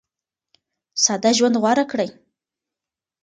ساده ژوند غوره کړئ.